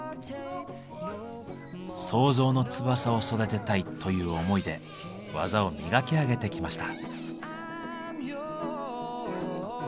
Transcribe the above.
「創造の翼を育てたい」という思いで技を磨き上げてきました。